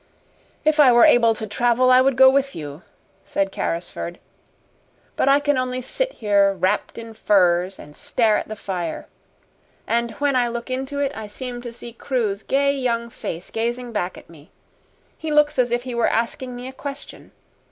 "If I were able to travel, I would go with you," said Carrisford; "but I can only sit here wrapped in furs and stare at the fire. And when I look into it I seem to see Crewe's gay young face gazing back at me. He looks as if he were asking me a question.